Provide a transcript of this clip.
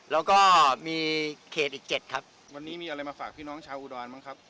แล้วก็มีเขตอีก๗ครับวันนี้มีอะไรมาฝากพี่น้องชาวอุดรบ้างครับ